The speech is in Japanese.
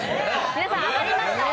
皆さん、揚がりましたよ。